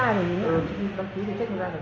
ừ đăng ký thì trách nó ra rồi